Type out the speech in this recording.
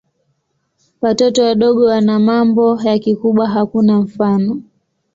Watoto wadogo wana mambo ya kikubwa hakuna mfano.